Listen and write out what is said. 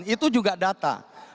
itu juga data